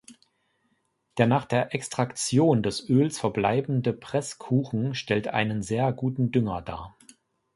Der nach der Extraktion des Öls verbleibende Presskuchen stellt einen sehr guten Dünger dar.